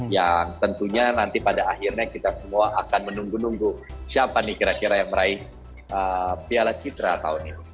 yang tentunya nanti pada akhirnya kita semua akan menunggu nunggu siapa nih kira kira yang meraih piala citra tahun ini